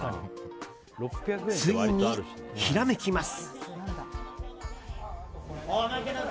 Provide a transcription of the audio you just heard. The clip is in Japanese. ついに、ひらめきます。